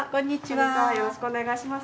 よろしくお願いします。